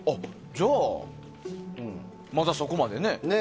じゃあ、まだそこまでね。